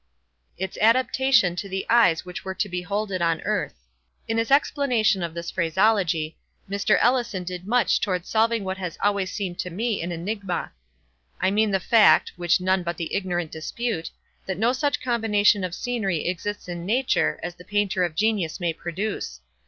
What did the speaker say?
"Its adaptation to the eyes which were to behold it on earth." In his explanation of this phraseology, Mr. Ellison did much toward solving what has always seemed to me an enigma:—I mean the fact (which none but the ignorant dispute) that no such combination of scenery exists in nature as the painter of genius may produce.